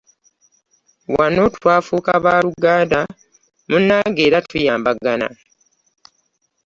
Wano twafuuka baaluganda munnange era tuyambagana.